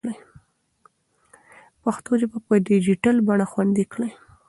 پښتو ژبه په ډیجیټل بڼه خوندي کړئ.